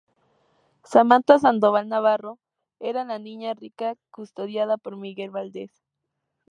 Samantha Sandoval Navarro era la niña rica custodiada por Miguel Valdez.